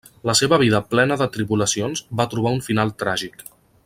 La seva vida plena de tribulacions va trobar un final tràgic.